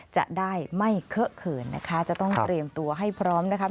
จะได้ไม่เคอะเขินนะคะจะต้องเตรียมตัวให้พร้อมนะคะ